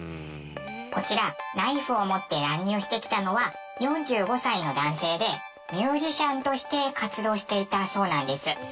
こちらナイフを持って乱入してきたのは４５歳の男性でミュージシャンとして活動していたそうなんです。